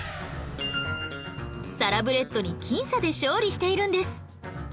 サラブレッドに僅差で勝利しているんです